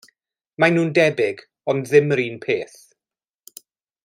Maen nhw'n debyg ond ddim yr un peth.